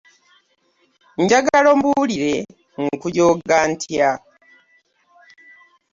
Njagala ombuulire nkujooga ntya?